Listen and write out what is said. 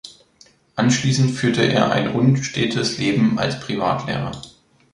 Anschließend führte er ein unstetes Leben als Privatlehrer.